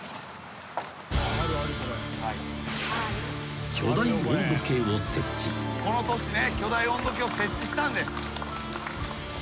この年ね巨大温度計を設置したんです。